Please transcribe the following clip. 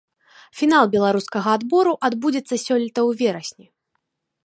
Фінал беларускага адбору адбудзецца сёлета ў верасні.